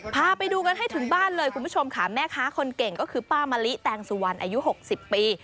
พาไปดูกันให้ถึงบ้านเลยคุณผู้ชมค่ะแม่ค้าคนเก่งก็คือป้ามะลิแตงสุวรรณอายุ๖๐ปี